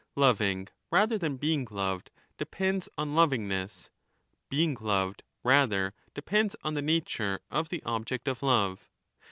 Loving, rather than being loved, depends on lovingness ; being loved rather 35 depends on the nature of the object of love.